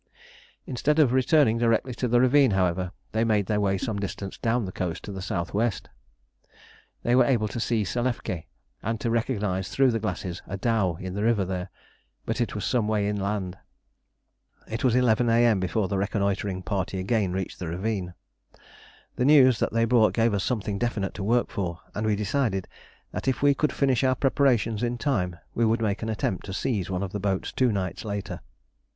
Instead of returning directly to the ravine, however, they made their way some distance down the coast to the S.W. They were able to see Selefké, and to recognise through the glasses a dhow in the river there, but it was some way inland. It was 11 A.M. before the reconnoitring party again reached the ravine. The news they brought gave us something definite to work for, and we decided that if we could finish our preparations in time we would make an attempt to seize one of the boats two nights later.